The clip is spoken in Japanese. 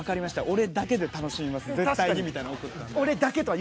「俺だけで楽しみます絶対に」と。